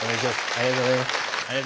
ありがとうございます。